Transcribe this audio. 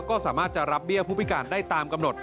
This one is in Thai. ก็สามารถจะรับเบี้ยผู้พิการได้ตามกำหนด